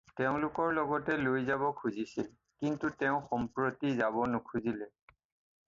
তেওঁলোকৰ লগতে লৈ যাব খুজিছিল, কিন্তু তেওঁ সম্প্ৰতি যাব নুখুজিলে।